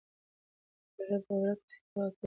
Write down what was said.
که ژبه ورکه سي پوهه کمېږي.